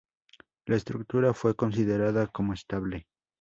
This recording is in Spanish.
La estructura fue considerada como "estable".